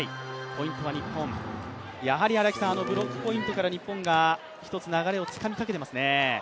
ポイントは日本、やはりブロックポイントから日本が一つ、流れをつかみかけていますね。